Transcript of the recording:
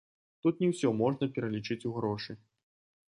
Тут не ўсё можна пералічыць ў грошы.